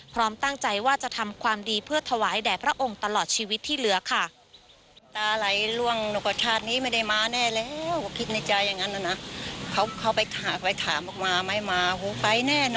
พร้อมตั้งใจว่าจะทำความดีเพื่อถวายแด่พระองค์ตลอดชีวิตที่เหลือค่ะ